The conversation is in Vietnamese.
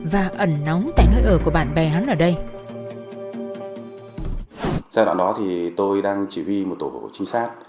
và ẩn nóng tại nơi ở của bạn bè hắn ở đây